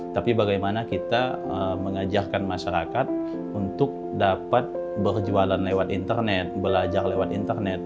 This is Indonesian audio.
tapi bagaimana kita mengajarkan masyarakat untuk dapat berjualan lewat internet belajar lewat internet